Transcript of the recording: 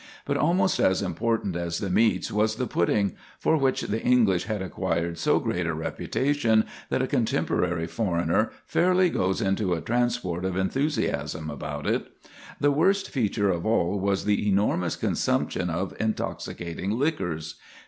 But almost as important as the meats was the pudding, for which the English had acquired so great a reputation that a contemporary foreigner fairly goes into a transport of enthusiasm about it. The worst feature of all was the enormous consumption of intoxicating liquors.